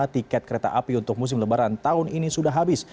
tiket kereta api untuk musim lebaran tahun ini sudah habis